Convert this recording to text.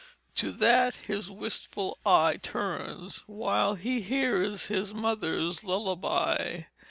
To that his wistful eye Turns, while he hears his mother's lullaby.